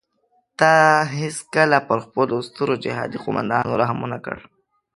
تا هیڅکله پر خپلو سترو جهادي قوماندانانو رحم ونه کړ.